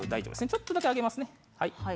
ちょっとだけ上げますね。